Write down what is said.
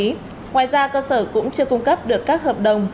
ngoài ra cơ sở cũng chưa cung cấp được các hợp đồng